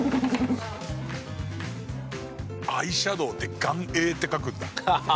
アイシャドーって「眼影」って書くんだ。